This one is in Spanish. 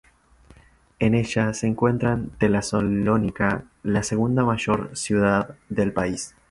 En ella se encuentra Tesalónica, la segunda mayor ciudad del país.